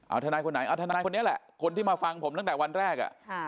เอาทนายคนไหนเอาทนายคนนี้แหละคนที่มาฟังผมตั้งแต่วันแรก